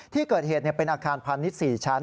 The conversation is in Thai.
ที่เกิดเหตุเป็นอาคารพาณิชย์๔ชั้น